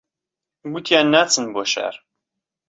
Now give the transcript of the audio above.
گوتیان ناچن بۆ شار